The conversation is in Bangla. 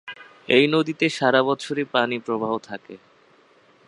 এই নদীতে সারা বছরই পানিপ্রবাহ থাকে।